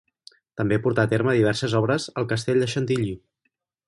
També portà a terme diverses obres al Castell de Chantilly.